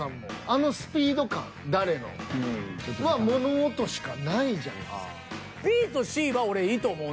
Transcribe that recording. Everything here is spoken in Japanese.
あのスピード感「誰？」のは物音しかないじゃないですか。